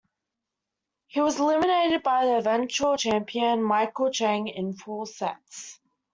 He was eliminated by the eventual champion Michael Chang in four sets.